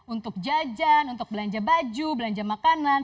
untuk jajan untuk belanja baju belanja makanan